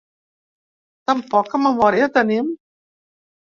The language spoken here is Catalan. Tan poca memòria tenim?.